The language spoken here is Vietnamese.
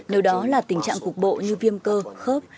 nếu đó là tình trạng cục bộ như viêm cơ khớp